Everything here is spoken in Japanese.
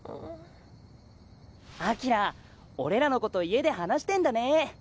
輝俺らのこと家で話してんだね。